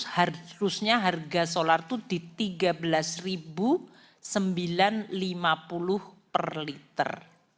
harusnya harga solar itu di rp tiga belas sembilan ratus lima puluh per liter